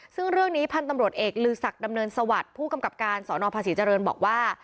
ซึ่งเรื่องนี้พันธุ์ตำรวจเอกลือศักดำเนินสวัสดิ์ผู้กำกับการสนภาษีเจริญบอกว่า